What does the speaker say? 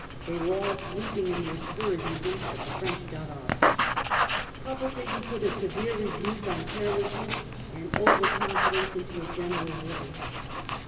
They were all sleeping in their spurs even; but the French got off*." Publicly he put a severe rebuke on carelessness and over confidence into a general order.